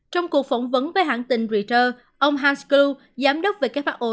trong cuộc phỏng vấn với hãng tình reader ông hans kluh giám đốc về kế hoạch ô